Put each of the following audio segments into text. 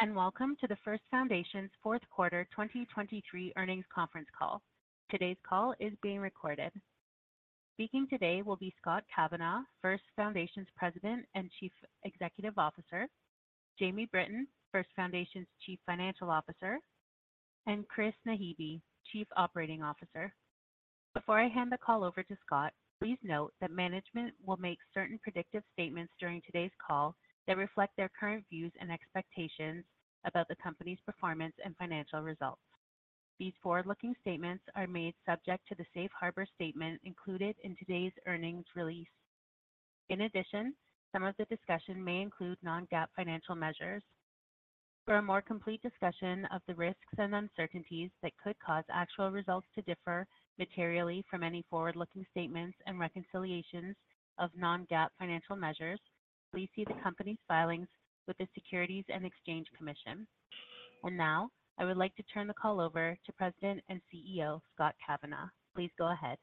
Greetings, and welcome to the First Foundation's fourth quarter 2023 earnings conference call. Today's call is being recorded. Speaking today will be Scott Kavanaugh, First Foundation's President and Chief Executive Officer; Jamie Britton, First Foundation's Chief Financial Officer; and Chris Naghibi, Chief Operating Officer. Before I hand the call over to Scott, please note that management will make certain predictive statements during today's call that reflect their current views and expectations about the Company's performance and financial results. These forward-looking statements are made subject to the safe harbor statement included in today's earnings release. In addition, some of the discussion may include non-GAAP financial measures. For a more complete discussion of the risks and uncertainties that could cause actual results to differ materially from any forward-looking statements and reconciliations of non-GAAP financial measures, please see the Company's filings with the Securities and Exchange Commission. And now, I would like to turn the call over to President and CEO, Scott Kavanaugh. Please go ahead.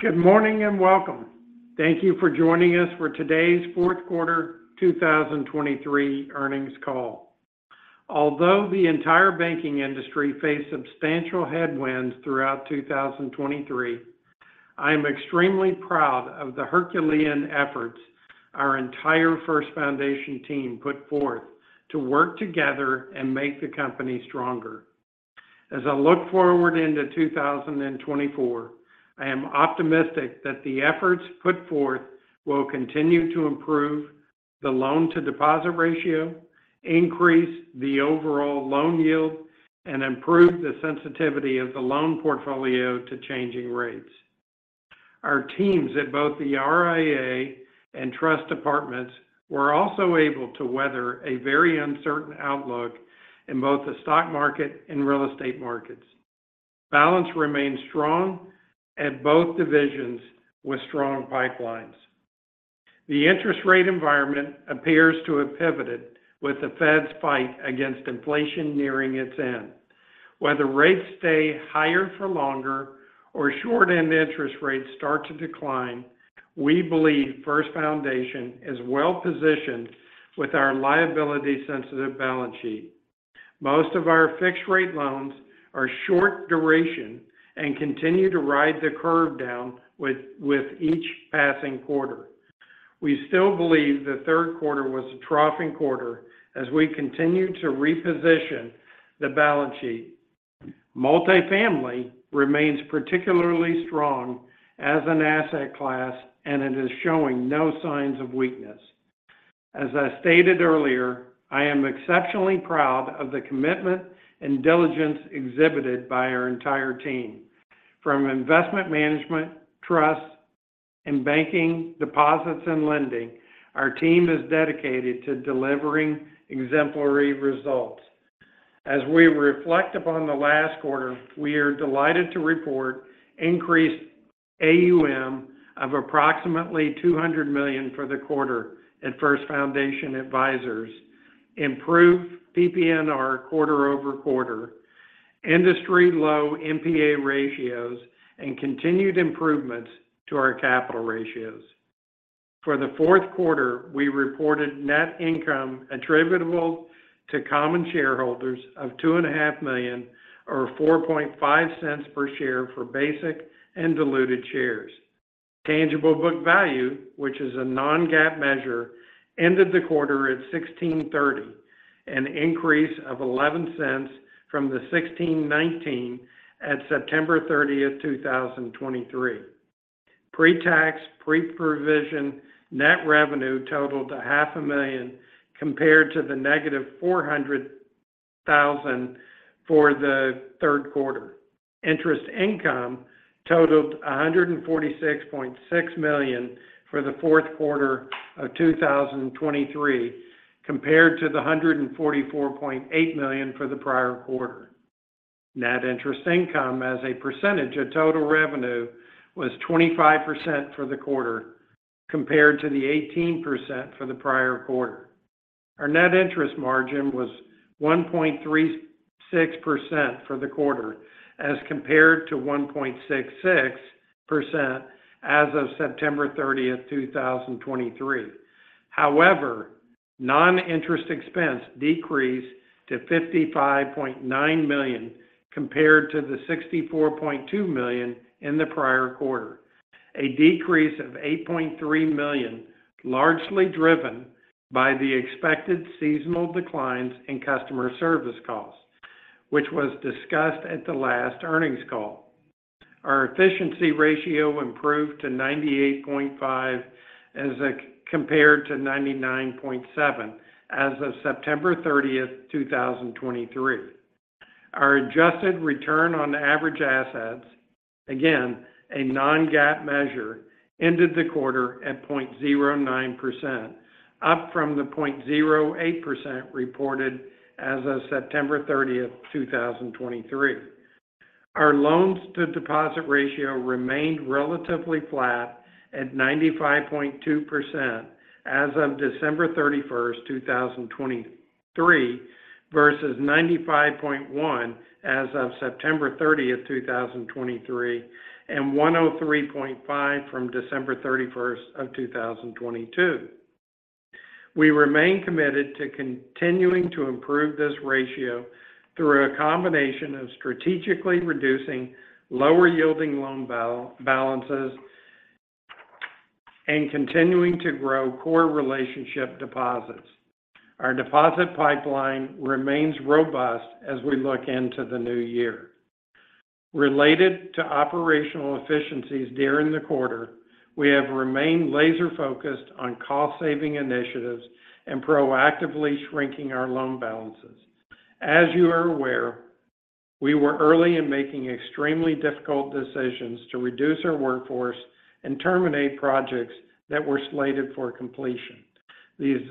Good morning, and welcome. Thank you for joining us for today's fourth quarter 2023 earnings call. Although the entire banking industry faced substantial headwinds throughout 2023, I am extremely proud of the Herculean efforts our entire First Foundation team put forth to work together and make the company stronger. As I look forward into 2024, I am optimistic that the efforts put forth will continue to improve the loan-to-deposit ratio, increase the overall loan yield, and improve the sensitivity of the loan portfolio to changing rates. Our teams at both the RIA and trust departments were also able to weather a very uncertain outlook in both the stock market and real estate markets. Balance remains strong at both divisions with strong pipelines. The interest rate environment appears to have pivoted with the Fed's fight against inflation nearing its end. Whether rates stay higher for longer or short-end interest rates start to decline, we believe First Foundation is well-positioned with our liability-sensitive balance sheet. Most of our fixed-rate loans are short duration and continue to ride the curve down with each passing quarter. We still believe the third quarter was a troughing quarter as we continue to reposition the balance sheet. Multifamily remains particularly strong as an asset class, and it is showing no signs of weakness. As I stated earlier, I am exceptionally proud of the commitment and diligence exhibited by our entire team. From investment management, trust, and banking, deposits, and lending, our team is dedicated to delivering exemplary results. As we reflect upon the last quarter, we are delighted to report increased AUM of approximately $200 million for the quarter at First Foundation Advisors, improved PPNR quarter over quarter, industry-low NPA ratios, and continued improvements to our capital ratios. For the fourth quarter, we reported net income attributable to common shareholders of $2.5 million, or $0.045 per share for basic and diluted shares. Tangible book value, which is a non-GAAP measure, ended the quarter at $16.30, an increase of $0.11 from the $16.19 at September 30, 2023. Pre-tax, pre-provision net revenue totaled to $0.5 million, compared to the negative $400,000 for the third quarter. Interest income totaled $146.6 million for the fourth quarter of 2023, compared to the $144.8 million for the prior quarter. Net interest income as a percentage of total revenue was 25% for the quarter, compared to the 18% for the prior quarter. Our net interest margin was 1.36% for the quarter, as compared to 1.66% as of September 30, 2023. However, non-interest expense decreased to $55.9 million, compared to the $64.2 million in the prior quarter, a decrease of $8.3 million, largely driven by the expected seasonal declines in customer service costs, which was discussed at the last earnings call. Our efficiency ratio improved to 98.5 as compared to 99.7 as of September 30, 2023. Our adjusted return on average assets, again, a non-GAAP measure, ended the quarter at 0.09%, up from the 0.08% reported as of September 30, 2023. Our loans to deposit ratio remained relatively flat at 95.2% as of December 31, 2023 versus 95.1% as of September 30, 2023, and 103.5% from December 31, 2022. We remain committed to continuing to improve this ratio through a combination of strategically reducing lower-yielding loan balances and continuing to grow core relationship deposits. Our deposit pipeline remains robust as we look into the new year. Related to operational efficiencies during the quarter, we have remained laser-focused on cost-saving initiatives and proactively shrinking our loan balances. As you are aware, we were early in making extremely difficult decisions to reduce our workforce and terminate projects that were slated for completion. These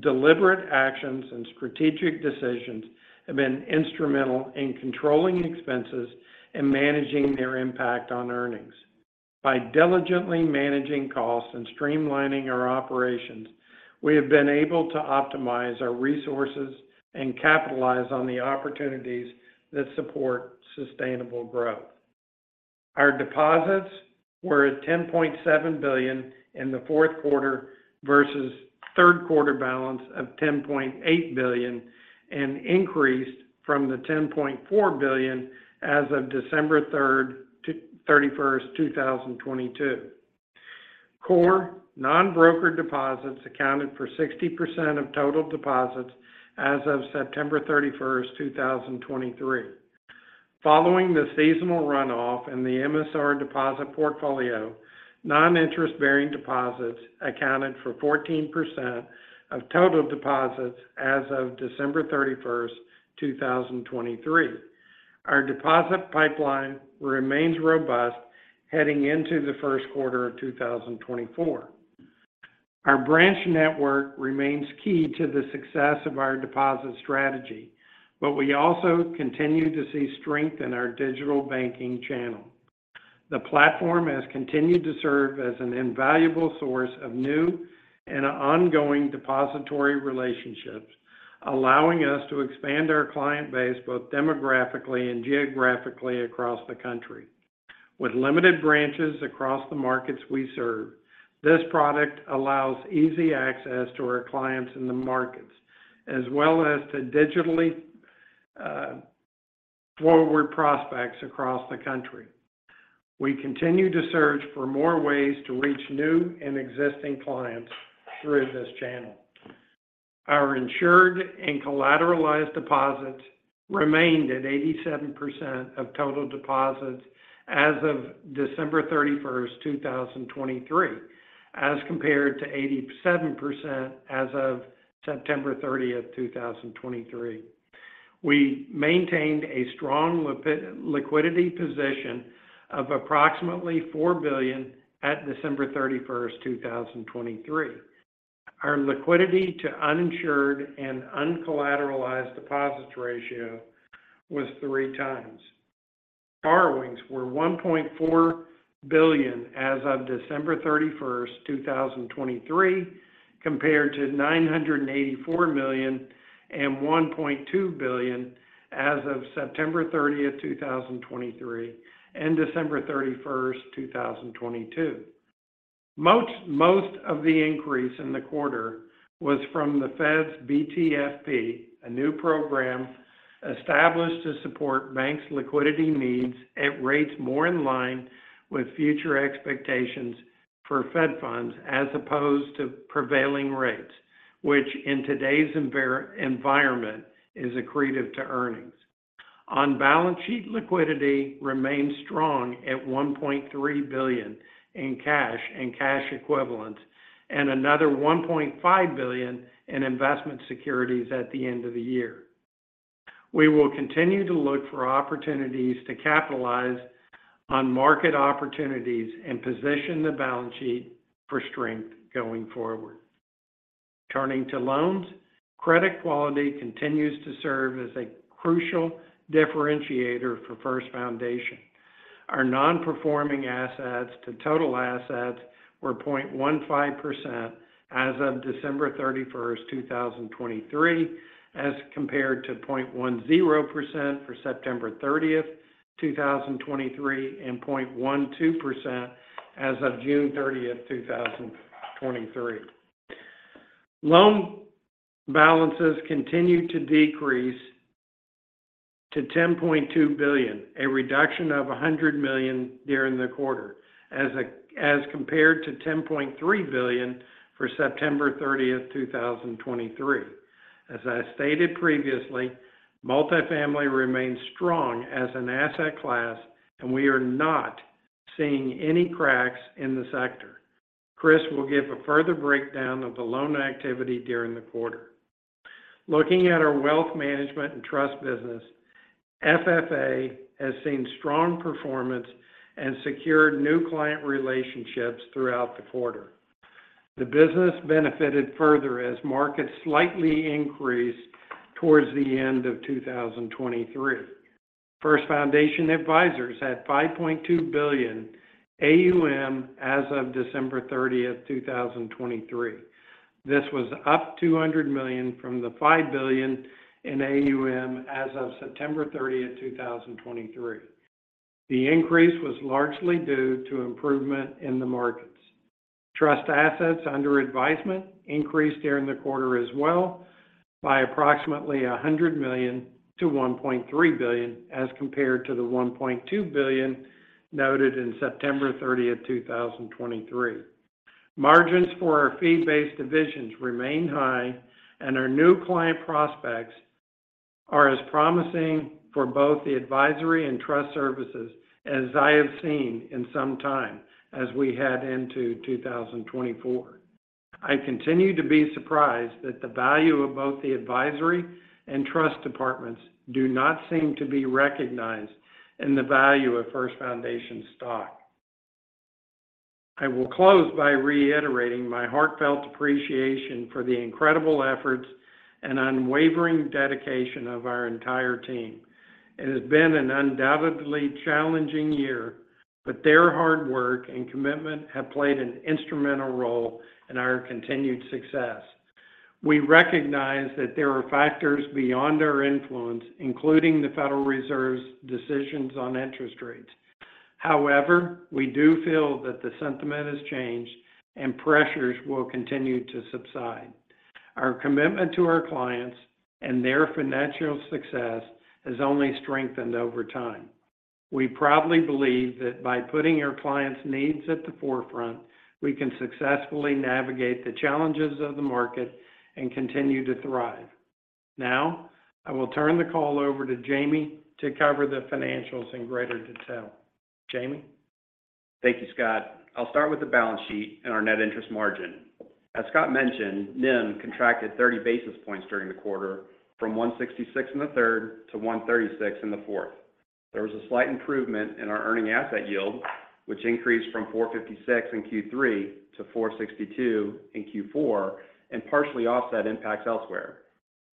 deliberate actions and strategic decisions have been instrumental in controlling expenses and managing their impact on earnings. By diligently managing costs and streamlining our operations, we have been able to optimize our resources and capitalize on the opportunities that support sustainable growth. Our deposits were at $10.7 billion in the fourth quarter versus third quarter balance of $10.8 billion, and increased from the $10.4 billion as of December 31, 2022. Core non-broker deposits accounted for 60% of total deposits as of September 30, 2023. Following the seasonal runoff in the MSR deposit portfolio, non-interest-bearing deposits accounted for 14% of total deposits as of December 31, 2023. Our deposit pipeline remains robust heading into the first quarter of 2024. Our branch network remains key to the success of our deposit strategy, but we also continue to see strength in our digital banking channel. The platform has continued to serve as an invaluable source of new and ongoing depository relationships, allowing us to expand our client base both demographically and geographically across the country. With limited branches across the markets we serve, this product allows easy access to our clients in the markets, as well as to digitally forward prospects across the country. We continue to search for more ways to reach new and existing clients through this channel. Our insured and collateralized deposits remained at 87% of total deposits as of December 31, 2023, as compared to 87% as of September 30, 2023. We maintained a strong liquidity position of approximately $4 billion at December 31, 2023. Our liquidity to uninsured and uncollateralized deposits ratio was three times. Borrowings were $1.4 billion as of December 31, 2023, compared to $984 million and $1.2 billion as of September 30, 2023 and December 31, 2022. Most of the increase in the quarter was from the Fed's BTFP, a new program established to support banks' liquidity needs at rates more in line with future expectations for Fed Funds, as opposed to prevailing rates, which in today's environment, is accretive to earnings. On-balance sheet liquidity remains strong at $1.3 billion in cash and cash equivalents, and another $1.5 billion in investment securities at the end of the year. We will continue to look for opportunities to capitalize on market opportunities and position the balance sheet for strength going forward. Turning to loans, credit quality continues to serve as a crucial differentiator for First Foundation. Our non-performing assets to total assets were 0.15% as of December 31, 2023, as compared to 0.10% for September 30, 2023, and 0.12% as of June 30, 2023. Loan balances continued to decrease to $10.2 billion, a reduction of $100 million during the quarter, as compared to $10.3 billion for September 30, 2023. As I stated previously, multifamily remains strong as an asset class, and we are not seeing any cracks in the sector. Chris will give a further breakdown of the loan activity during the quarter. Looking at our wealth management and trust business, FFA has seen strong performance and secured new client relationships throughout the quarter. The business benefited further as markets slightly increased towards the end of 2023.... First Foundation Advisors had $5.2 billion AUM as of December 30, 2023. This was up $200 million from the $5 billion in AUM as of September 30, 2023. The increase was largely due to improvement in the markets. Trust assets under advisement increased during the quarter as well by approximately $100 million to $1.3 billion, as compared to the $1.2 billion noted in September 30, 2023. Margins for our fee-based divisions remain high, and our new client prospects are as promising for both the advisory and trust services as I have seen in some time as we head into 2024. I continue to be surprised that the value of both the advisory and trust departments do not seem to be recognized in the value of First Foundation stock. I will close by reiterating my heartfelt appreciation for the incredible efforts and unwavering dedication of our entire team. It has been an undoubtedly challenging year, but their hard work and commitment have played an instrumental role in our continued success. We recognize that there are factors beyond our influence, including the Federal Reserve's decisions on interest rates. However, we do feel that the sentiment has changed and pressures will continue to subside. Our commitment to our clients and their financial success has only strengthened over time. We proudly believe that by putting our clients' needs at the forefront, we can successfully navigate the challenges of the market and continue to thrive. Now, I will turn the call over to Jamie to cover the financials in greater detail. Jamie? Thank you, Scott. I'll start with the balance sheet and our net interest margin. As Scott mentioned, NIM contracted 30 basis points during the quarter from 1.66 in the third to 1.36 in the fourth. There was a slight improvement in our earning asset yield, which increased from 4.56 in Q3 to 4.62 in Q4, and partially offset impacts elsewhere.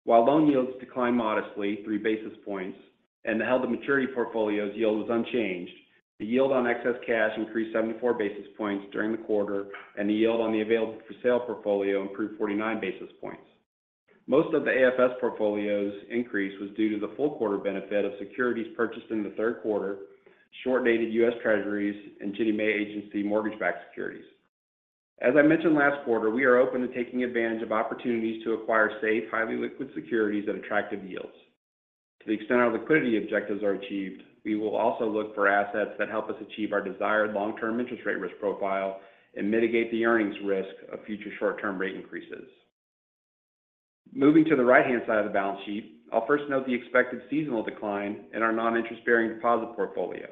While loan yields declined modestly three basis points and the held-to-maturity portfolio's yield was unchanged, the yield on excess cash increased 74 basis points during the quarter, and the yield on the available-for-sale portfolio improved 49 basis points. Most of the AFS portfolio's increase was due to the full quarter benefit of securities purchased in the third quarter, short-dated U.S. Treasuries and Ginnie Mae agency mortgage-backed securities. As I mentioned last quarter, we are open to taking advantage of opportunities to acquire safe, highly liquid securities at attractive yields. To the extent our liquidity objectives are achieved, we will also look for assets that help us achieve our desired long-term interest rate risk profile and mitigate the earnings risk of future short-term rate increases. Moving to the right-hand side of the balance sheet, I'll first note the expected seasonal decline in our non-interest-bearing deposit portfolio.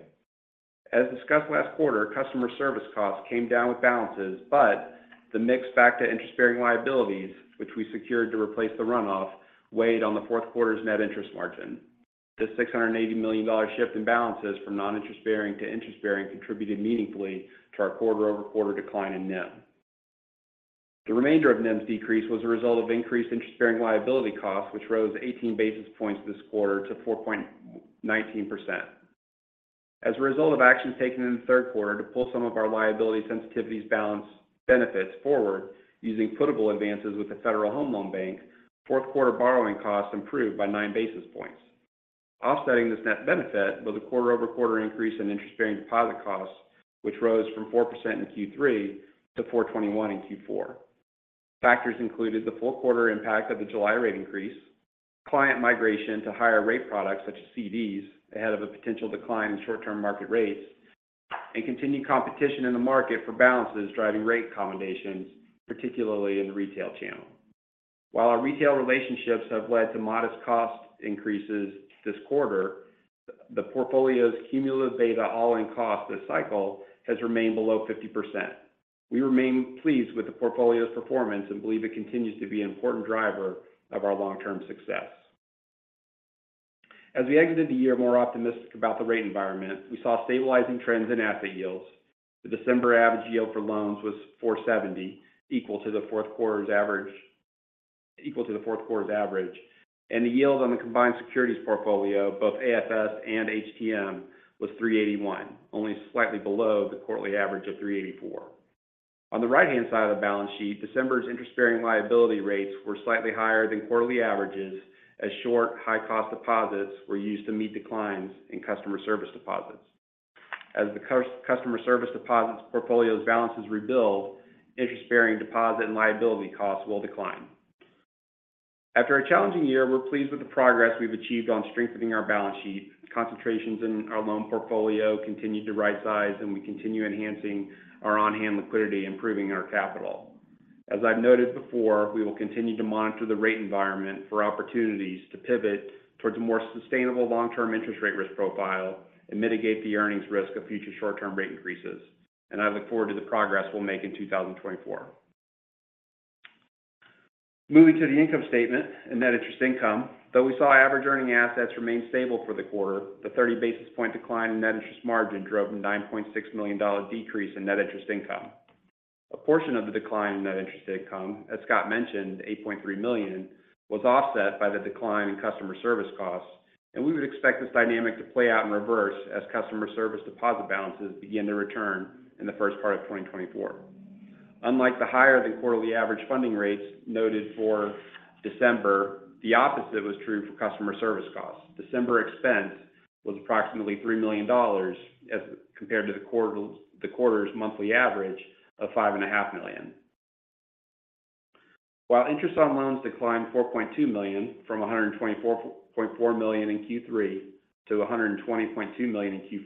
As discussed last quarter, customer service costs came down with balances, but the mix back to interest-bearing liabilities, which we secured to replace the runoff, weighed on the fourth quarter's net interest margin. The $680 million shift in balances from non-interest bearing to interest bearing contributed meaningfully to our quarter-over-quarter decline in NIM. The remainder of NIM's decrease was a result of increased interest-bearing liability costs, which rose 18 basis points this quarter to 4.19%. As a result of actions taken in the third quarter to pull some of our liability sensitivity's balance benefits forward using putable advances with the Federal Home Loan Bank, fourth quarter borrowing costs improved by 9 basis points. Offsetting this net benefit was a quarter-over-quarter increase in interest-bearing deposit costs, which rose from 4% in Q3 to 4.21% in Q4. Factors included the full quarter impact of the July rate increase, client migration to higher rate products such as CDs ahead of a potential decline in short-term market rates, and continued competition in the market for balances driving rate accommodations, particularly in the retail channel. While our retail relationships have led to modest cost increases this quarter, the portfolio's cumulative beta all-in cost this cycle has remained below 50%. We remain pleased with the portfolio's performance and believe it continues to be an important driver of our long-term success. As we exited the year more optimistic about the rate environment, we saw stabilizing trends in asset yields. The December average yield for loans was 4.70%, equal to the fourth quarter's average, and the yield on the combined securities portfolio, both AFS and HTM, was 3.81%, only slightly below the quarterly average of 3.84%. On the right-hand side of the balance sheet, December's interest-bearing liability rates were slightly higher than quarterly averages as short, high-cost deposits were used to meet declines in customer service deposits. As the customer service deposits portfolio's balances rebuild, interest-bearing deposit and liability costs will decline. After a challenging year, we're pleased with the progress we've achieved on strengthening our balance sheet. Concentrations in our loan portfolio continued to right-size, and we continue enhancing our on-hand liquidity, improving our capital. As I've noted before, we will continue to monitor the rate environment for opportunities to pivot towards a more sustainable long-term interest rate risk profile and mitigate the earnings risk of future short-term rate increases. I look forward to the progress we'll make in 2024. Moving to the income statement and net interest income, though we saw average earning assets remain stable for the quarter, the 30 basis point decline in net interest margin drove a $9.6 million decrease in net interest income. A portion of the decline in net interest income, as Scott mentioned, $8.3 million, was offset by the decline in customer service costs, and we would expect this dynamic to play out in reverse as customer service deposit balances begin to return in the first part of 2024. Unlike the higher than quarterly average funding rates noted for December, the opposite was true for customer service costs. December expense was approximately $3 million as compared to the quarter, the quarter's monthly average of $5.5 million. While interest on loans declined $4.2 million from $124.4 million in Q3 to $120.2 million in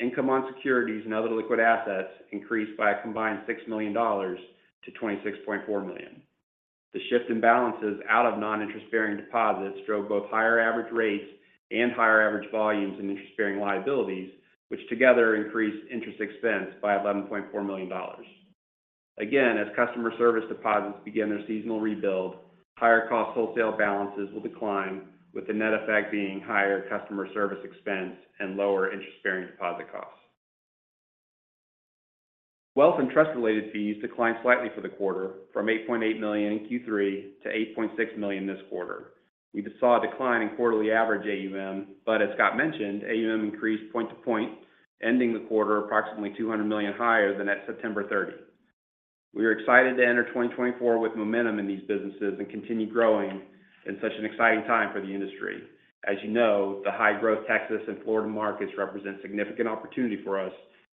Q4, income on securities and other liquid assets increased by a combined $6 million to $26.4 million. The shift in balances out of non-interest-bearing deposits drove both higher average rates and higher average volumes in interest-bearing liabilities, which together increased interest expense by $11.4 million. Again, as customer service deposits begin their seasonal rebuild, higher cost wholesale balances will decline, with the net effect being higher customer service expense and lower interest-bearing deposit costs. Wealth and trust-related fees declined slightly for the quarter from $8.8 million in Q3 to $8.6 million this quarter. We saw a decline in quarterly average AUM, but as Scott mentioned, AUM increased point to point, ending the quarter approximately $200 million higher than at September 30. We are excited to enter 2024 with momentum in these businesses and continue growing in such an exciting time for the industry. As you know, the high-growth Texas and Florida markets represent significant opportunity for us,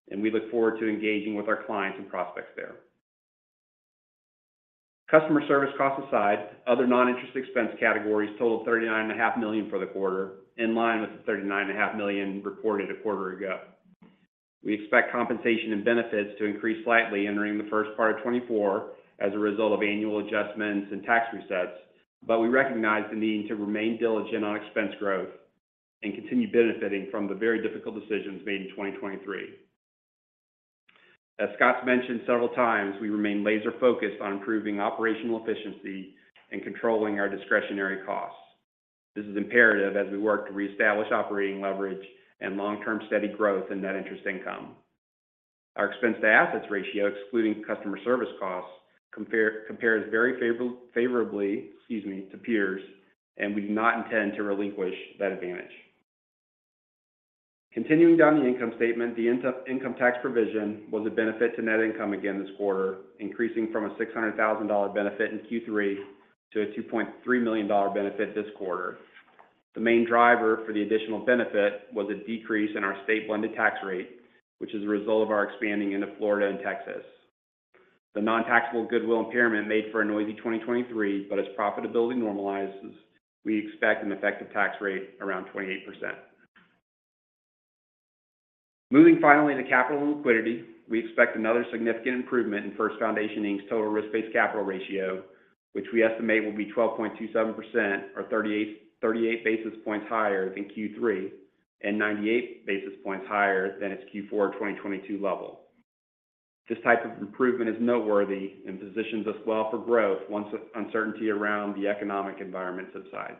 and we look forward to engaging with our clients and prospects there. Customer service costs aside, other non-interest expense categories totaled $39.5 million for the quarter, in line with the $39.5 million reported a quarter ago. We expect compensation and benefits to increase slightly entering the first part of 2024 as a result of annual adjustments and tax resets, but we recognize the need to remain diligent on expense growth and continue benefiting from the very difficult decisions made in 2023. As Scott's mentioned several times, we remain laser-focused on improving operational efficiency and controlling our discretionary costs. This is imperative as we work to reestablish operating leverage and long-term steady growth in net interest income. Our expense-to-assets ratio, excluding customer service costs, compares very favorably, excuse me, to peers, and we do not intend to relinquish that advantage. Continuing down the income statement, the income tax provision was a benefit to net income again this quarter, increasing from a $600,000 benefit in Q3 to a $2.3 million benefit this quarter. The main driver for the additional benefit was a decrease in our state blended tax rate, which is a result of our expanding into Florida and Texas. The non-taxable goodwill impairment made for a noisy 2023, but as profitability normalizes, we expect an effective tax rate around 28%. Moving finally to capital and liquidity, we expect another significant improvement in First Foundation Inc.'s total risk-based capital ratio, which we estimate will be 12.27% or 38 basis points higher than Q3 and 98 basis points higher than its Q4 2022 level. This type of improvement is noteworthy and positions us well for growth once the uncertainty around the economic environment subsides.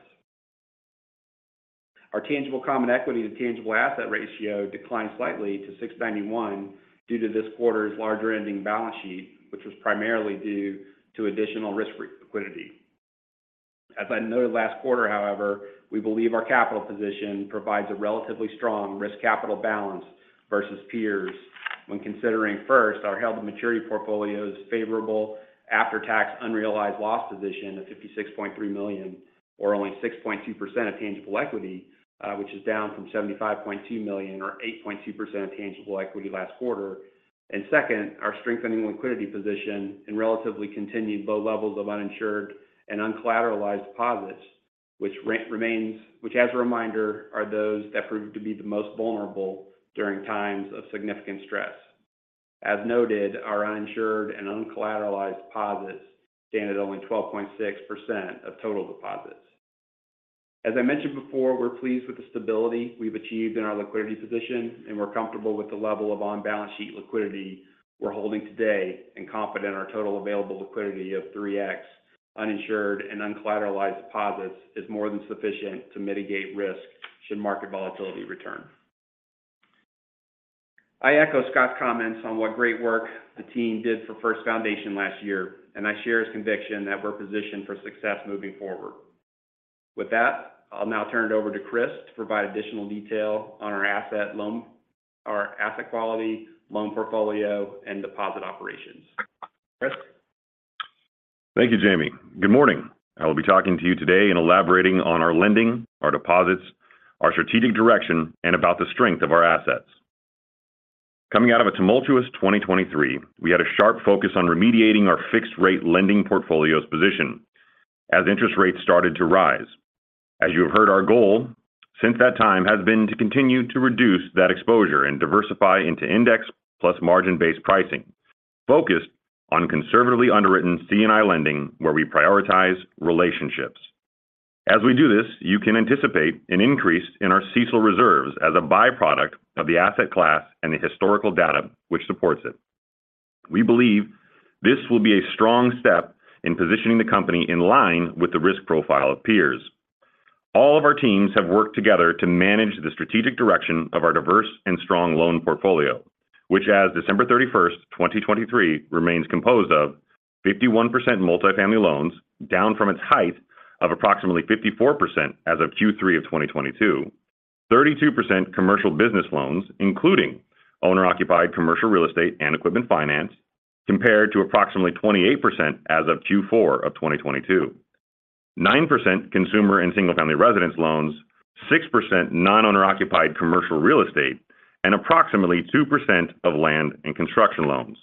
Our tangible common equity to tangible asset ratio declined slightly to 6.91 due to this quarter's larger ending balance sheet, which was primarily due to additional risk-free liquidity. As I noted last quarter, however, we believe our capital position provides a relatively strong risk capital balance versus peers when considering first, our held-to-maturity portfolio's favorable after-tax unrealized loss position of $56.3 million, or only 6.2% of tangible equity, which is down from $75.2 million or 8.2% of tangible equity last quarter. And second, our strengthening liquidity position and relatively continued low levels of uninsured and uncollateralized deposits, which remains, which, as a reminder, are those that prove to be the most vulnerable during times of significant stress. As noted, our uninsured and uncollateralized deposits stand at only 12.6% of total deposits. As I mentioned before, we're pleased with the stability we've achieved in our liquidity position, and we're comfortable with the level of on-balance sheet liquidity we're holding today and confident our total available liquidity of 3x uninsured and uncollateralized deposits is more than sufficient to mitigate risk should market volatility return. I echo Scott's comments on what great work the team did for First Foundation last year, and I share his conviction that we're positioned for success moving forward. With that, I'll now turn it over to Chris to provide additional detail on our asset loan, our asset quality, loan portfolio, and deposit operations. Chris? Thank you, Jamie. Good morning. I will be talking to you today and elaborating on our lending, our deposits, our strategic direction, and about the strength of our assets. Coming out of a tumultuous 2023, we had a sharp focus on remediating our fixed-rate lending portfolio's position as interest rates started to rise. As you have heard, our goal since that time has been to continue to reduce that exposure and diversify into index plus margin-based pricing, focused on conservatively underwritten C&I lending, where we prioritize relationships. As we do this, you can anticipate an increase in our CECL reserves as a byproduct of the asset class and the historical data which supports it. We believe this will be a strong step in positioning the company in line with the risk profile of peers.... All of our teams have worked together to manage the strategic direction of our diverse and strong loan portfolio, which as of December 31, 2023, remains composed of 51% multifamily loans, down from its height of approximately 54% as of Q3 of 2022. 32% commercial business loans, including owner-occupied commercial real estate and equipment finance, compared to approximately 28% as of Q4 of 2022. 9% consumer and single-family residence loans, 6% non-owner-occupied commercial real estate, and approximately 2% of land and construction loans.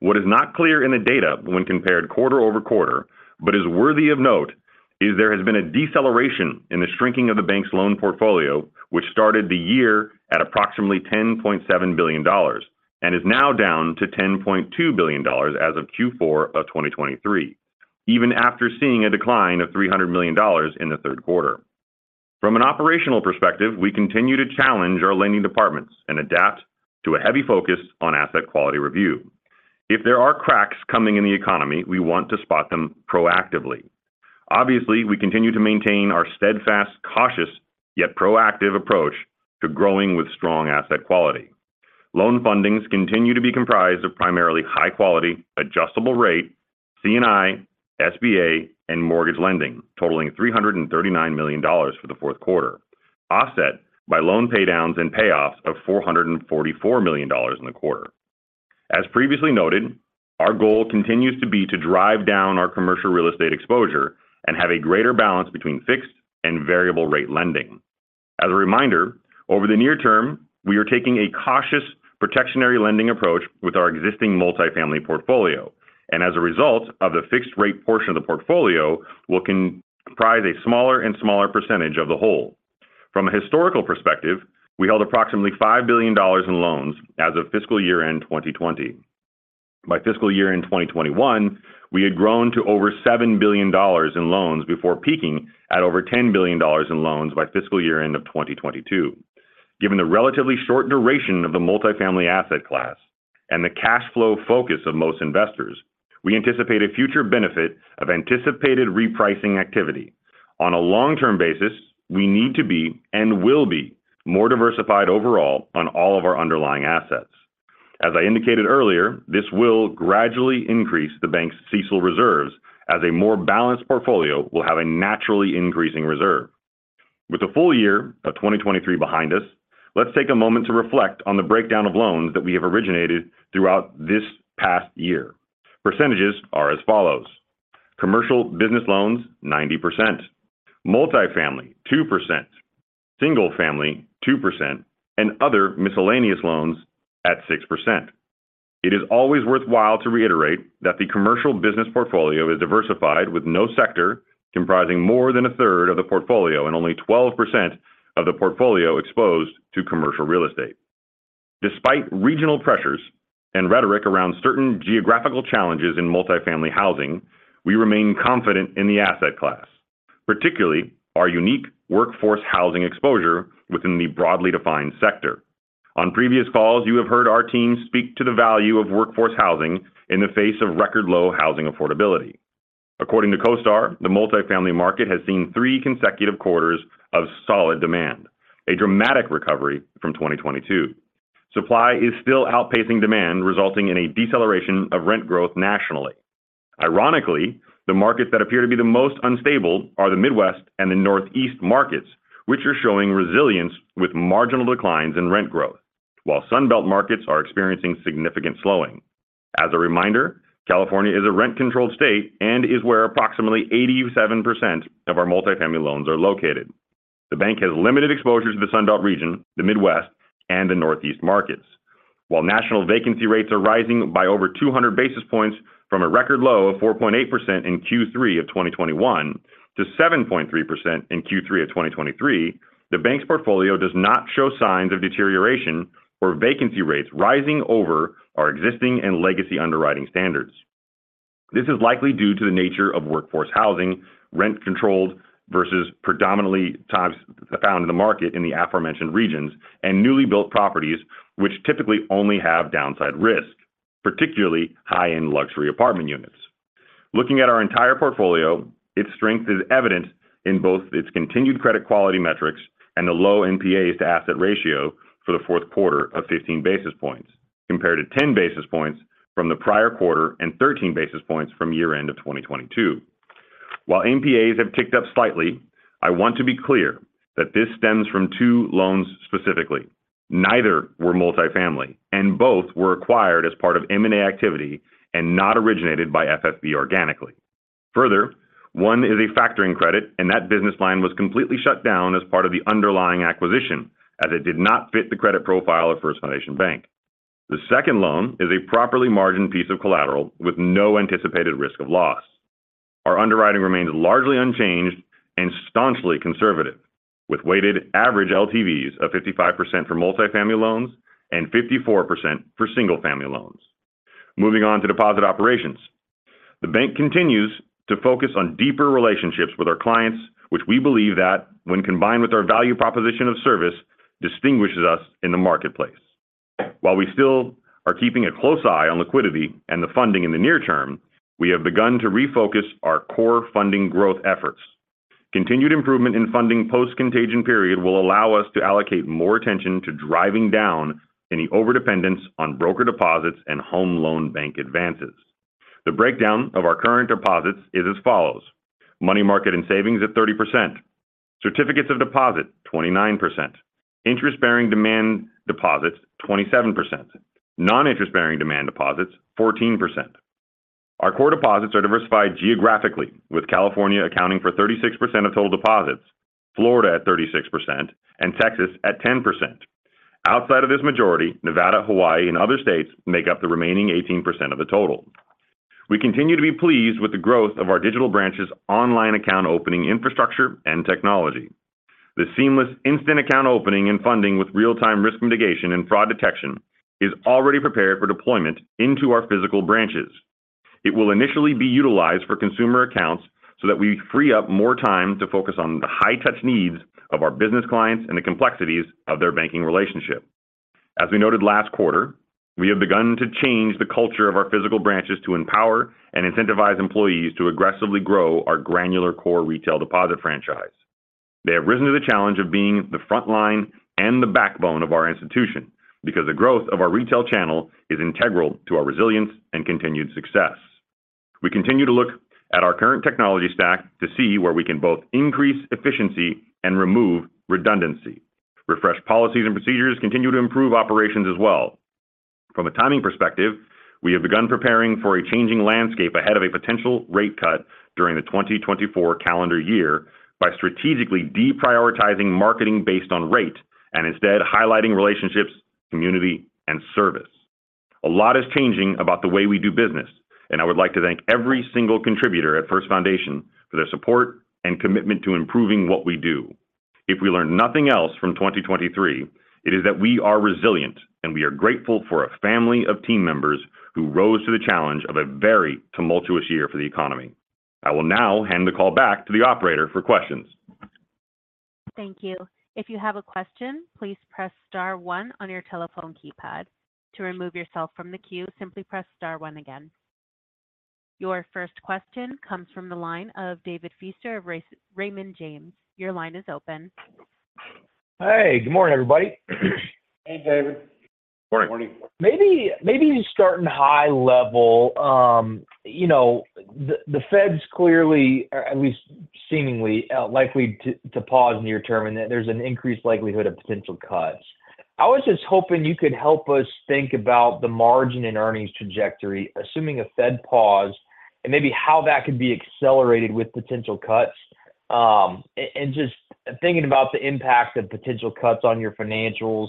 What is not clear in the data when compared quarter-over-quarter, but is worthy of note, is there has been a deceleration in the shrinking of the bank's loan portfolio, which started the year at approximately $10.7 billion and is now down to $10.2 billion as of Q4 of 2023, even after seeing a decline of $300 million in the third quarter. From an operational perspective, we continue to challenge our lending departments and adapt to a heavy focus on asset quality review. If there are cracks coming in the economy, we want to spot them proactively. Obviously, we continue to maintain our steadfast, cautious, yet proactive approach to growing with strong asset quality. Loan fundings continue to be comprised of primarily high quality, adjustable rate, C&I, SBA, and mortgage lending, totaling $339 million for the fourth quarter, offset by loan paydowns and payoffs of $444 million in the quarter. As previously noted, our goal continues to be to drive down our commercial real estate exposure and have a greater balance between fixed and variable rate lending. As a reminder, over the near term, we are taking a cautious, precautionary lending approach with our existing multifamily portfolio, and as a result of the fixed-rate portion of the portfolio, will comprise a smaller and smaller percentage of the whole. From a historical perspective, we held approximately $5 billion in loans as of fiscal year-end 2020. By fiscal year end 2021, we had grown to over $7 billion in loans before peaking at over $10 billion in loans by fiscal year end of 2022. Given the relatively short duration of the multifamily asset class and the cash flow focus of most investors, we anticipate a future benefit of anticipated repricing activity. On a long-term basis, we need to be and will be more diversified overall on all of our underlying assets. As I indicated earlier, this will gradually increase the bank's CECL reserves as a more balanced portfolio will have a naturally increasing reserve. With a full year of 2023 behind us, let's take a moment to reflect on the breakdown of loans that we have originated throughout this past year. Percentages are as follows: commercial business loans, 90%; multifamily, 2%; single family, 2%; and other miscellaneous loans at 6%. It is always worthwhile to reiterate that the commercial business portfolio is diversified, with no sector comprising more than a third of the portfolio and only 12% of the portfolio exposed to commercial real estate. Despite regional pressures and rhetoric around certain geographical challenges in multifamily housing, we remain confident in the asset class, particularly our unique workforce housing exposure within the broadly defined sector. On previous calls, you have heard our team speak to the value of workforce housing in the face of record low housing affordability. According to CoStar, the multifamily market has seen 3 consecutive quarters of solid demand, a dramatic recovery from 2022. Supply is still outpacing demand, resulting in a deceleration of rent growth nationally. Ironically, the markets that appear to be the most unstable are the Midwest and the Northeast markets, which are showing resilience with marginal declines in rent growth, while Sunbelt markets are experiencing significant slowing. As a reminder, California is a rent-controlled state and is where approximately 87% of our multifamily loans are located. The bank has limited exposure to the Sunbelt region, the Midwest, and the Northeast markets. While national vacancy rates are rising by over 200 basis points from a record low of 4.8% in Q3 of 2021 to 7.3% in Q3 of 2023, the bank's portfolio does not show signs of deterioration or vacancy rates rising over our existing and legacy underwriting standards. This is likely due to the nature of workforce housing, rent-controlled versus predominantly times found in the market in the aforementioned regions and newly built properties which typically only have downside risk, particularly high-end luxury apartment units. Looking at our entire portfolio, its strength is evident in both its continued credit quality metrics and the low NPAs to asset ratio for the fourth quarter of 15 basis points, compared to 10 basis points from the prior quarter and 13 basis points from year end of 2022. While NPAs have ticked up slightly, I want to be clear that this stems from 2 loans specifically. Neither were multifamily and both were acquired as part of M&A activity and not originated by FFB organically. Further, one is a factoring credit and that business line was completely shut down as part of the underlying acquisition, as it did not fit the credit profile of First Foundation Bank. The second loan is a properly margined piece of collateral with no anticipated risk of loss. Our underwriting remains largely unchanged and staunchly conservative, with weighted average LTVs of 55% for multifamily loans and 54% for single-family loans. Moving on to deposit operations. The bank continues to focus on deeper relationships with our clients, which we believe that when combined with our value proposition of service, distinguishes us in the marketplace... While we still are keeping a close eye on liquidity and the funding in the near term, we have begun to refocus our core funding growth efforts. Continued improvement in funding post-contagion period will allow us to allocate more attention to driving down any overdependence on broker deposits and Home Loan Bank advances. The breakdown of our current deposits is as follows: money market and savings at 30%, certificates of deposit, 29%, interest-bearing demand deposits, 27%, non-interest-bearing demand deposits, 14%. Our core deposits are diversified geographically, with California accounting for 36% of total deposits, Florida at 36%, and Texas at 10%. Outside of this majority, Nevada, Hawaii, and other states make up the remaining 18% of the total. We continue to be pleased with the growth of our digital branch's online account opening infrastructure and technology. The seamless instant account opening and funding with real-time risk mitigation and fraud detection is already prepared for deployment into our physical branches. It will initially be utilized for consumer accounts so that we free up more time to focus on the high-touch needs of our business clients and the complexities of their banking relationship. As we noted last quarter, we have begun to change the culture of our physical branches to empower and incentivize employees to aggressively grow our granular core retail deposit franchise. They have risen to the challenge of being the front line and the backbone of our institution, because the growth of our retail channel is integral to our resilience and continued success. We continue to look at our current technology stack to see where we can both increase efficiency and remove redundancy. Refreshed policies and procedures continue to improve operations as well. From a timing perspective, we have begun preparing for a changing landscape ahead of a potential rate cut during the 2024 calendar year by strategically deprioritizing marketing based on rate, and instead highlighting relationships, community, and service. A lot is changing about the way we do business, and I would like to thank every single contributor at First Foundation for their support and commitment to improving what we do. If we learn nothing else from 2023, it is that we are resilient, and we are grateful for a family of team members who rose to the challenge of a very tumultuous year for the economy. I will now hand the call back to the operator for questions. Thank you. If you have a question, please press star one on your telephone keypad. To remove yourself from the queue, simply press star one again. Your first question comes from the line of David Feaster of Raymond James. Your line is open. Hey, good morning, everybody. Hey, David. Morning. Morning. Maybe, maybe starting high level, you know, the Fed's clearly, or at least seemingly, likely to pause near term, and that there's an increased likelihood of potential cuts. I was just hoping you could help us think about the margin in earnings trajectory, assuming a Fed pause, and maybe how that could be accelerated with potential cuts. And just thinking about the impact of potential cuts on your financials.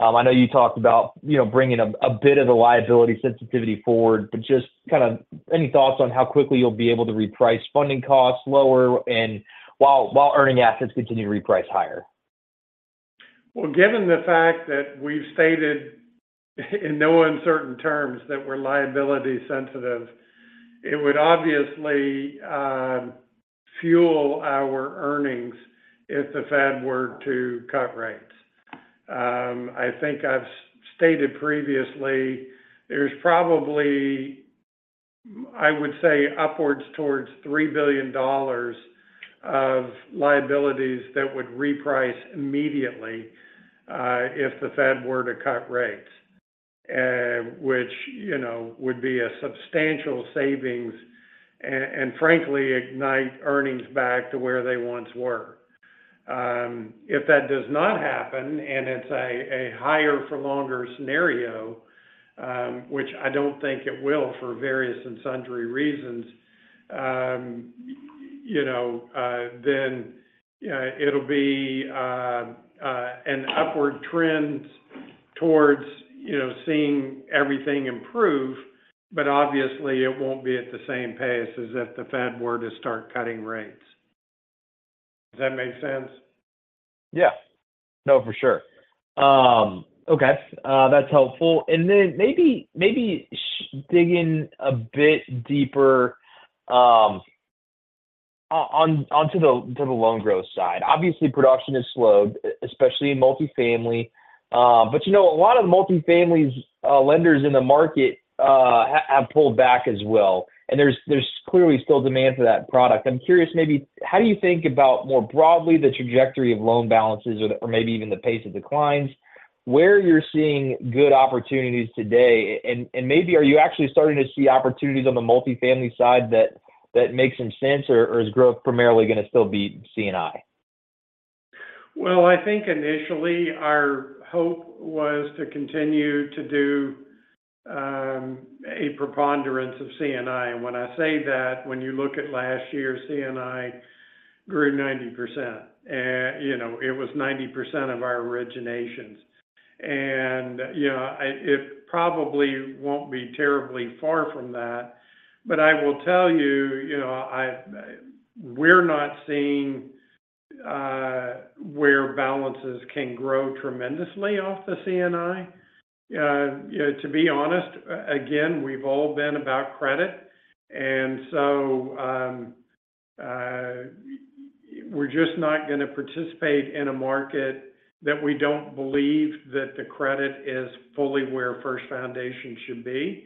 I know you talked about, you know, bringing a bit of the liability sensitivity forward, but just kind of any thoughts on how quickly you'll be able to reprice funding costs lower and while earning assets continue to reprice higher? Well, given the fact that we've stated in no uncertain terms that we're liability sensitive, it would obviously fuel our earnings if the Fed were to cut rates. I think I've stated previously, there's probably, I would say, upwards towards $3 billion of liabilities that would reprice immediately, if the Fed were to cut rates. Which, you know, would be a substantial savings and, and frankly, ignite earnings back to where they once were. If that does not happen, and it's a higher for longer scenario, which I don't think it will for various and sundry reasons, you know, then, it'll be an upward trend towards, you know, seeing everything improve, but obviously, it won't be at the same pace as if the Fed were to cut rates. Does that make sense? Yeah. No, for sure. Okay, that's helpful. And then maybe dig in a bit deeper on the loan growth side. Obviously, production has slowed, especially in multifamily, but, you know, a lot of the multifamily lenders in the market have pulled back as well, and there's clearly still demand for that product. I'm curious, maybe how do you think about, more broadly, the trajectory of loan balances or maybe even the pace of declines, where you're seeing good opportunities today? And maybe are you actually starting to see opportunities on the multifamily side that make some sense, or is growth primarily going to still be C&I? Well, I think initially our hope was to continue to do a preponderance of C&I. And when I say that, when you look at last year, C&I grew 90%. You know, it was 90% of our originations. And, you know, it probably won't be terribly far from that, but I will tell you, you know, we're not seeing where balances can grow tremendously off the C&I. You know, to be honest, again, we've all been about credit, and so, we're just not going to participate in a market that we don't believe that the credit is fully where First Foundation should be.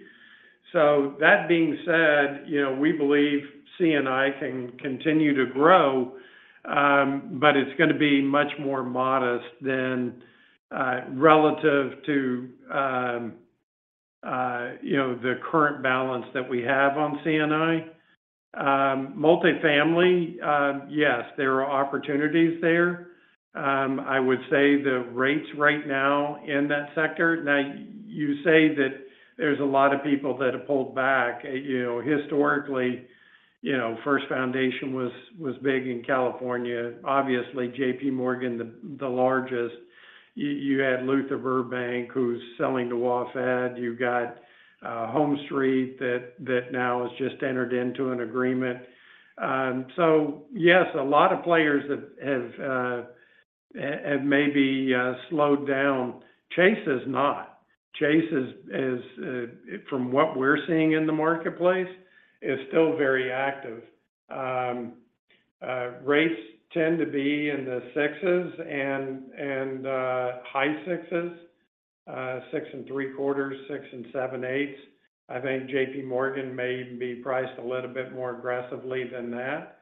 So that being said, you know, we believe C&I can continue to grow, but it's going to be much more modest than relative to, you know, the current balance that we have on C&I. Multifamily, yes, there are opportunities there. I would say the rates right now in that sector—Now, you say that there's a lot of people that have pulled back. You know, historically, you know, First Foundation was big in California. Obviously, J.P. Morgan, the largest. You had Luther Burbank, who's selling to WaFd. You've got HomeStreet, that now has just entered into an agreement. So yes, a lot of players have maybe slowed down. Chase has not. Chase is from what we're seeing in the marketplace, is still very active. Rates tend to be in the 6s and high 6s, 6.75, 6.875. I think J.P. Morgan may be priced a little bit more aggressively than that.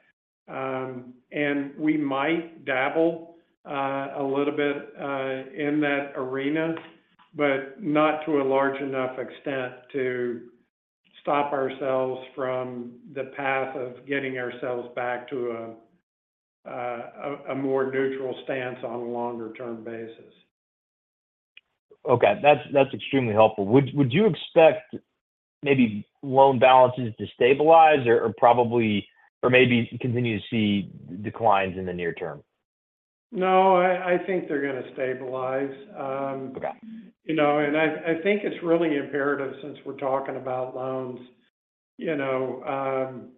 And we might dabble a little bit in that arena, but not to a large enough extent to stop ourselves from the path of getting ourselves back to a more neutral stance on a longer-term basis. Okay. That's extremely helpful. Would you expect maybe loan balances to stabilize or probably or maybe continue to see declines in the near term? No, I think they're going to stabilize. Okay. You know, and I think it's really imperative, since we're talking about loans, you know,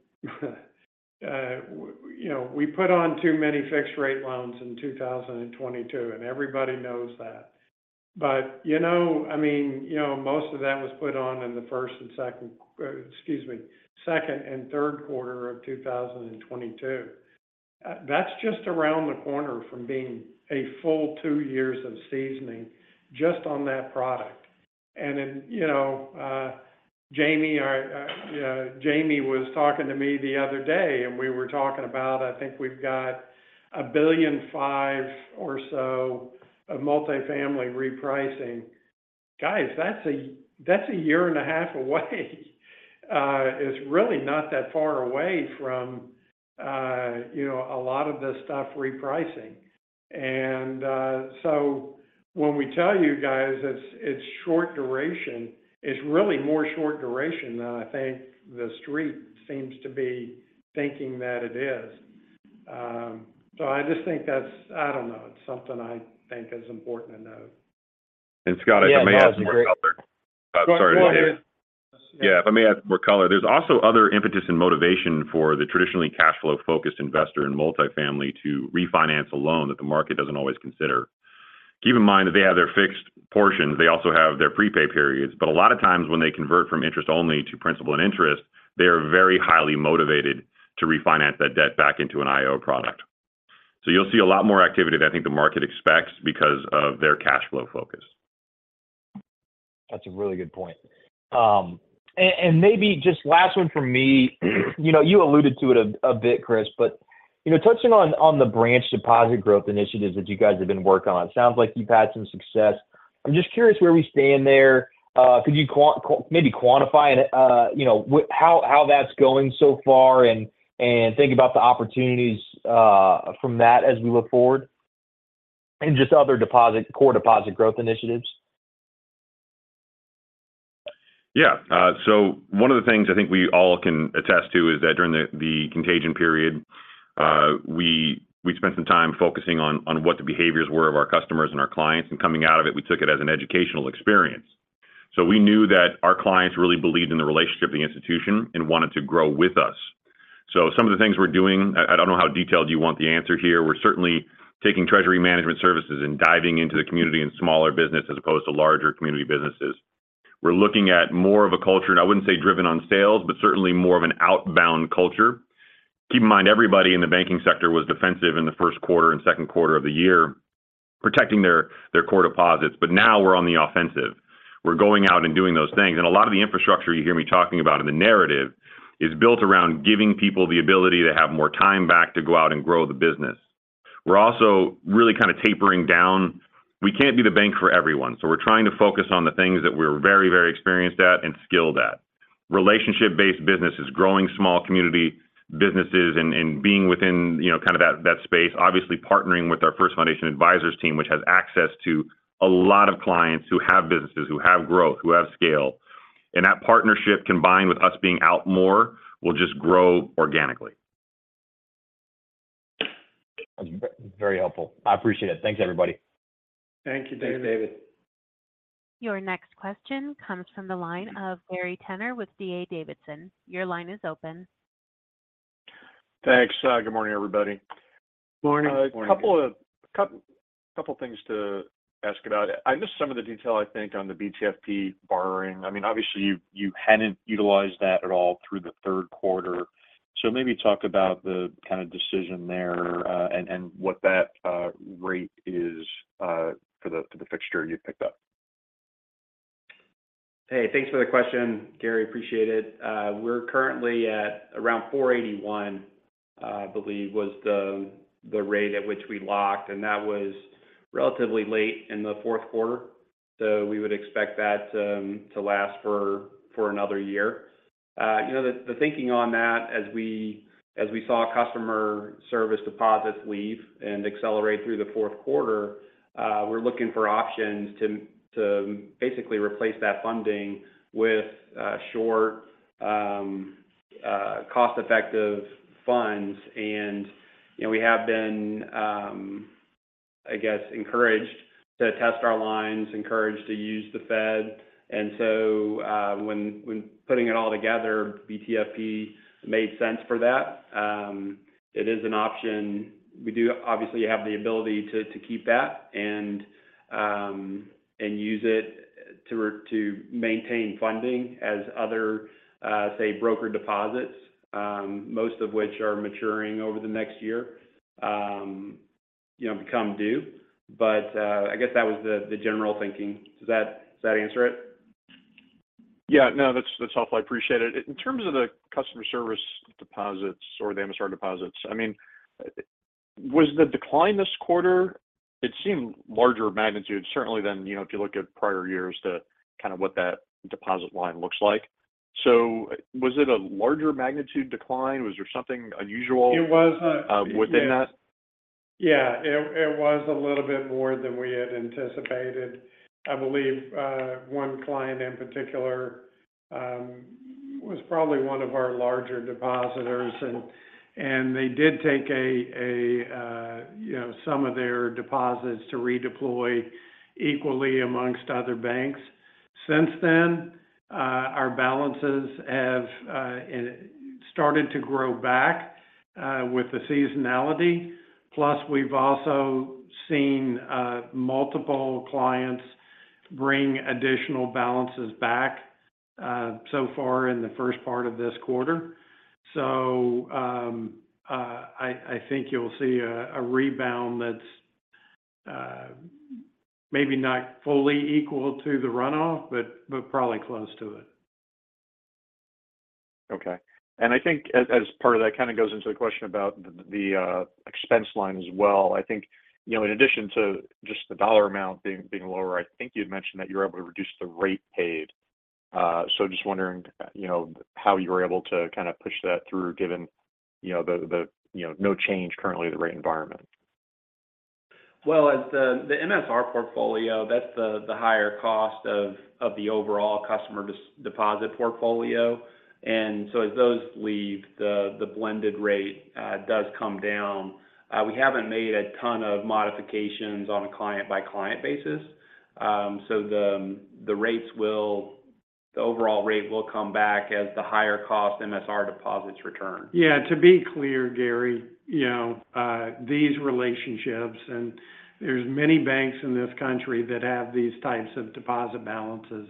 we put on too many fixed-rate loans in 2022, and everybody knows that. But, you know, I mean, you know, most of that was put on in the second and third quarter of 2022. That's just around the corner from being a full two years of seasoning just on that product. And then, you know, Jamie was talking to me the other day, and we were talking about, I think we've got $1.5 billion or so of multifamily repricing. Guys, that's a year and a half away. It's really not that far away from, you know, a lot of this stuff repricing. And so when we tell you guys it's short duration, it's really more short duration than I think the street seems to be thinking that it is. So I just think that's... I don't know. It's something I think is important to note. Scott, I may add more color. Yeah, that was a great- Sorry to interrupt. Go ahead. Yeah, if I may add more color. There's also other impetus and motivation for the traditionally cash flow-focused investor in multifamily to refinance a loan that the market doesn't always consider. Keep in mind that they have their fixed portions, they also have their prepay periods, but a lot of times, when they convert from interest only to principal and interest, they are very highly motivated to refinance that debt back into an IO product. So you'll see a lot more activity than I think the market expects because of their cash flow focus. That's a really good point. And maybe just last one from me, you know, you alluded to it a bit, Chris, but, you know, touching on the branch deposit growth initiatives that you guys have been working on, sounds like you've had some success. I'm just curious where we stand there. Could you maybe quantify and, you know, how that's going so far and think about the opportunities from that as we look forward, and just other deposit, core deposit growth initiatives? Yeah, so one of the things I think we all can attest to is that during the contagion period, we spent some time focusing on what the behaviors were of our customers and our clients, and coming out of it, we took it as an educational experience. So we knew that our clients really believed in the relationship of the institution and wanted to grow with us. So some of the things we're doing, I don't know how detailed you want the answer here, we're certainly taking treasury management services and diving into the community and smaller business as opposed to larger community businesses. We're looking at more of a culture, and I wouldn't say driven on sales, but certainly more of an outbound culture. Keep in mind, everybody in the banking sector was defensive in the first quarter and second quarter of the year, protecting their, their core deposits. But now we're on the offensive. We're going out and doing those things. And a lot of the infrastructure you hear me talking about in the narrative is built around giving people the ability to have more time back to go out and grow the business. We're also really kind of tapering down. We can't be the bank for everyone, so we're trying to focus on the things that we're very, very experienced at and skilled at. Relationship-based businesses, growing small community businesses, and, and being within, you know, kind of that, that space, obviously partnering with our First Foundation Advisors team, which has access to a lot of clients who have businesses, who have growth, who have scale. That partnership, combined with us being out more, will just grow organically. That's very helpful. I appreciate it. Thanks, everybody. Thank you. Thanks. Thanks, David. Your next question comes from the line of Gary Tenner with D.A. Davidson. Your line is open. Thanks. Good morning, everybody.... A couple of things to ask about. I missed some of the detail, I think, on the BTFP borrowing. I mean, obviously, you hadn't utilized that at all through the third quarter. So maybe talk about the kind of decision there, and what that rate is for the fixture you picked up. Hey, thanks for the question, Gary. Appreciate it. We're currently at around 4.81, I believe was the rate at which we locked, and that was relatively late in the fourth quarter. So we would expect that to last for another year. You know, the thinking on that as we saw customer service deposits leave and accelerate through the fourth quarter, we're looking for options to basically replace that funding with short cost-effective funds. And, you know, we have been, I guess, encouraged to test our lines, encouraged to use the Fed. And so, when putting it all together, BTFP made sense for that. It is an option. We do obviously have the ability to keep that and use it to maintain funding as other, say, broker deposits, most of which are maturing over the next year, you know, become due. But I guess that was the general thinking. Does that answer it? Yeah. No, that's, that's helpful. I appreciate it. In terms of the customer service deposits or the MSR deposits, I mean, was the decline this quarter, it seemed larger magnitude, certainly than, you know, if you look at prior years to kind of what that deposit line looks like. So was it a larger magnitude decline? Was there something unusual- It was not- within that? Yeah, it was a little bit more than we had anticipated. I believe, one client in particular, was probably one of our larger depositors, and they did take a you know, some of their deposits to redeploy equally amongst other banks. Since then, our balances have and started to grow back, with the seasonality. Plus, we've also seen, multiple clients bring additional balances back, so far in the first part of this quarter. So, I think you'll see a rebound that's, maybe not fully equal to the runoff, but probably close to it. Okay. And I think as part of that, kind of goes into the question about the expense line as well. I think, you know, in addition to just the dollar amount being lower, I think you'd mentioned that you're able to reduce the rate paid. So just wondering, you know, how you were able to kind of push that through, given, you know, the, you know, no change currently the rate environment? Well, as the MSR portfolio, that's the higher cost of the overall customer deposit portfolio. And so as those leave, the blended rate does come down. We haven't made a ton of modifications on a client-by-client basis. So the rates will, the overall rate will come back as the higher cost MSR deposits return. Yeah, to be clear, Gary, you know, these relationships, and there's many banks in this country that have these types of deposit balances.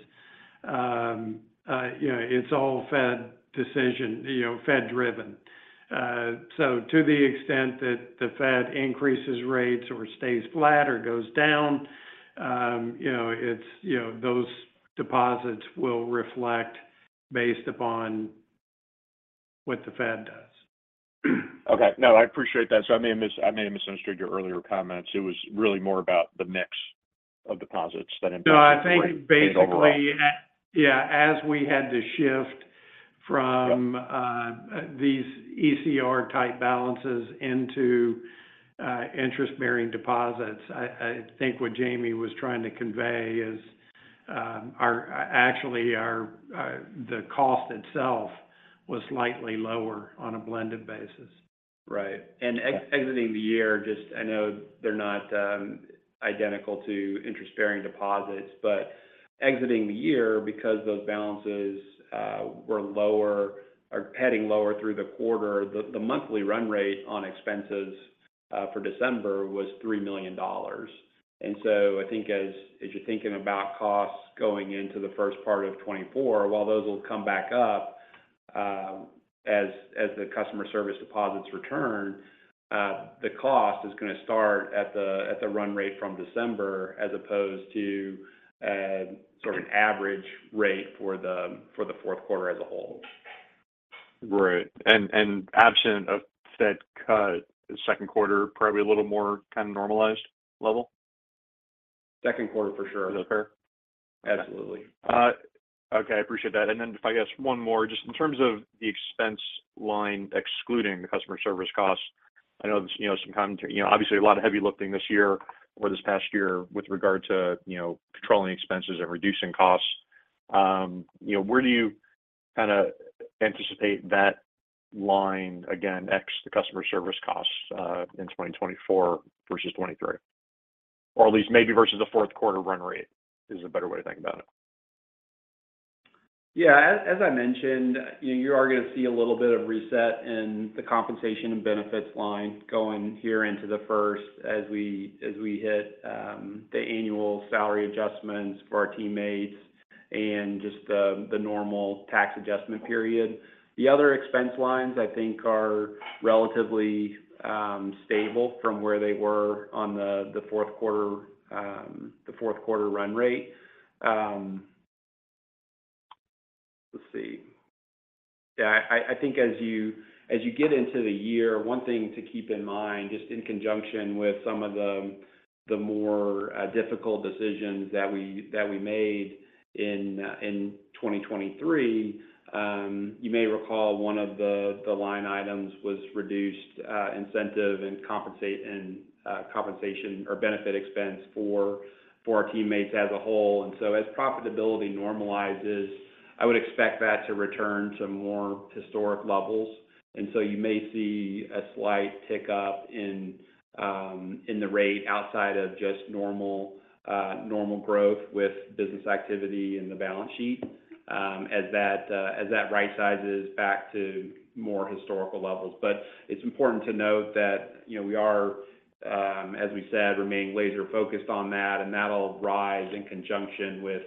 You know, it's all Fed decision, you know, Fed driven. So to the extent that the Fed increases rates or stays flat or goes down, you know, it's, you know, those deposits will reflect based upon what the Fed does. Okay. No, I appreciate that. So I may have misunderstood your earlier comments. It was really more about the mix of deposits than- No, I think basically- -overall... yeah, as we had to shift from- Yep these ECR-type balances into interest-bearing deposits, I think what Jamie was trying to convey is, actually, our cost itself was slightly lower on a blended basis. Right. And exiting the year, just I know they're not identical to interest-bearing deposits, but exiting the year because those balances were lower or heading lower through the quarter, the monthly run rate on expenses for December was $3 million. And so I think as you're thinking about costs going into the first part of 2024, while those will come back up, as the customer service deposits return, the cost is gonna start at the run rate from December, as opposed to sort of an average rate for the fourth quarter as a whole. Right. And absent of Fed cut, the second quarter, probably a little more kind of normalized level? Second quarter, for sure. Is that fair? Absolutely. Okay, I appreciate that. And then if I guess one more, just in terms of the expense line, excluding the customer service costs, I know there's, you know, some comment—you know, obviously a lot of heavy lifting this year or this past year with regard to, you know, controlling expenses and reducing costs. You know, where do you kind of anticipate that line, again, ex the customer service costs, in 2024 versus 2023? Or at least maybe versus the fourth quarter run rate is a better way to think about it. ... Yeah, as I mentioned, you know, you are going to see a little bit of reset in the compensation and benefits line going here into the first as we hit the annual salary adjustments for our teammates and just the normal tax adjustment period. The other expense lines, I think, are relatively stable from where they were on the fourth quarter run rate. Yeah, I think as you get into the year, one thing to keep in mind, just in conjunction with some of the more difficult decisions that we made in 2023, you may recall one of the line items was reduced, incentive and compensation or benefit expense for our teammates as a whole. As profitability normalizes, I would expect that to return to more historic levels. You may see a slight tick up in the rate outside of just normal growth with business activity in the balance sheet, as that rightsizes back to more historical levels. But it's important to note that, you know, we are as we said, remaining laser focused on that, and that'll rise in conjunction with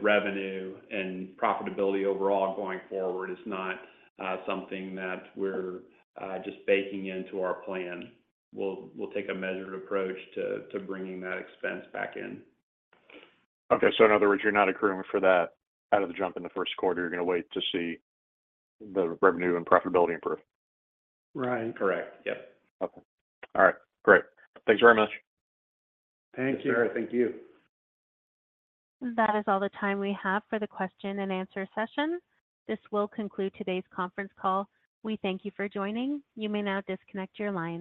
revenue and profitability overall going forward. It's not something that we're just baking into our plan. We'll take a measured approach to bringing that expense back in. Okay. So in other words, you're not accruing for that out of the jump in the first quarter. You're going to wait to see the revenue and profitability improve? Ryan, correct. Yep. Okay. All right, great. Thanks very much. Thank you. Sure, thank you. That is all the time we have for the question and answer session. This will conclude today's conference call. We thank you for joining. You may now disconnect your lines.